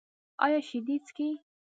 ایا شیدې څښئ؟